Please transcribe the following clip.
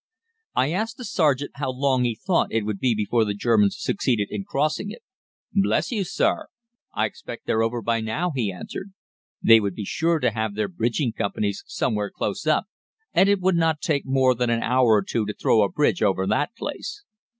"I asked the sergeant how long he thought it would be before the Germans succeeded in crossing it. 'Bless you, sir, I expect they're over by now,' he answered. 'They would be sure to have their bridging companies somewhere close up, and it would not take them more than an hour or two to throw a bridge over that place.'